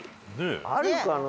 あるかな？